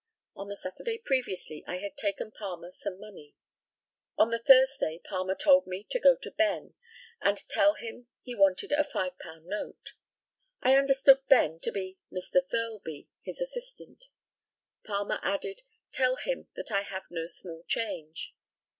On the Saturday previously I had taken Palmer some money. On the Thursday Palmer told me to go to Ben, and tell him he wanted a £5 note. I understood Ben to be Mr. Thirlby, his assistant. Palmer added, "Tell him that I have no small change."